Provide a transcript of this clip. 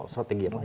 strategi yang lain